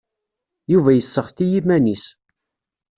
Yuba yesseɣti iman-is.